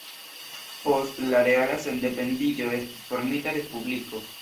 Post la reala sendependiĝo estis formita Respubliko.